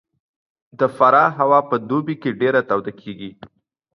د فراه هوا په دوبي کې ډېره توده کېږي